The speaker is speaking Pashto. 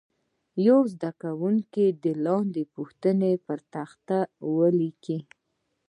یو زده کوونکی دې لاندې پوښتنې پر تخته ولیکي.